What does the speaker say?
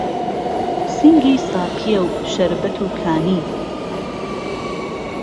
سینگی ساقییه و شەربەت و کانی